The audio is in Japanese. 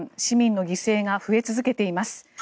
市民の犠牲が増え続けています。